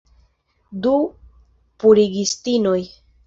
Du purigistinoj.